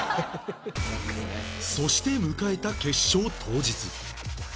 そして迎えた決勝当日